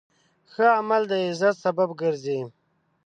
ښه عمل د عزت سبب ګرځي.